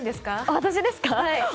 私ですか？